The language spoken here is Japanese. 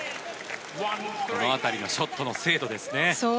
この辺りのショットの精度ですね。